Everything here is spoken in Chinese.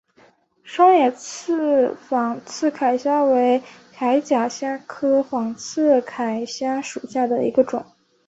双眼刺仿刺铠虾为铠甲虾科仿刺铠虾属下的一个种。